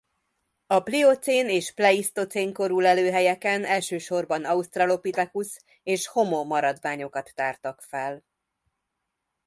A pliocén és pleisztocén korú lelőhelyeken elsősorban Australopithecus- és Homo-maradványokat tártak fel.